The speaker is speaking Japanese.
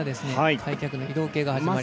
開脚の移動系が始まります。